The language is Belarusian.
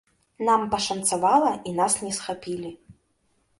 Нам пашанцавала, і нас не схапілі.